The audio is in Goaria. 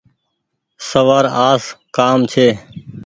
سوآر آس ڪآم ڇي۔